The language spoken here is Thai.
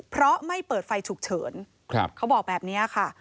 เพราะไม่เปิดไฟฉุกเฉินเขาบอกแบบนี้ค่ะ